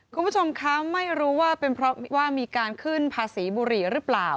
คุณผู้ชมคะไม่รู้ว่าเป็นเพราะว่ามีการขึ้นภาษีบุหรี่หรือเปล่า